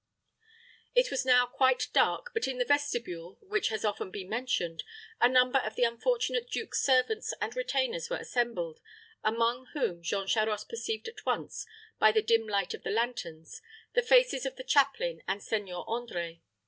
It was now quite dark; but in the vestibule, which has been often mentioned, a number of the unfortunate duke's servants and retainers were assembled, among whom Jean Charost perceived at once, by the dim light of the lanterns, the faces of the chaplain and Seigneur André.